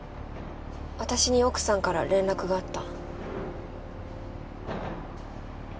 私に奥さんから連絡があった。